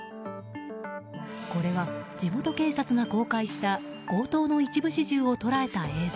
これは地元警察が公開した強盗の一部始終を捉えた映像。